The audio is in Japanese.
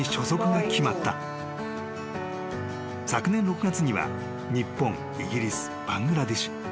［昨年６月には日本イギリスバングラデシュ。